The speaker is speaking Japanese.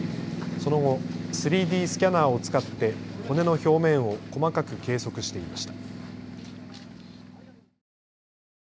その後、３Ｄスキャナーを使って骨の表面を細かく計測していました。